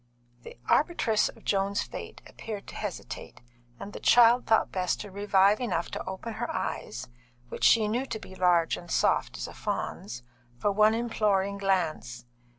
The arbitress of Joan's fate appeared to hesitate, and the child thought best to revive enough to open her eyes (which she knew to be large and soft as a fawn's) for one imploring glance.